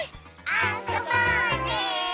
あそぼうね！